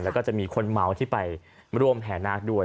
แล้วก็จะมีคนเมาที่ไปร่วมแห่นาคด้วย